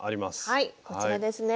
はいこちらですね。